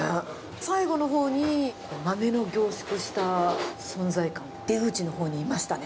最後のほうに、豆の凝縮した存在感、出口のほうにいましたね。